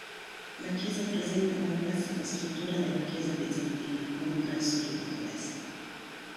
La chiesa presenta la classica struttura della chiesa bizantina, con ingresso orientato ad est.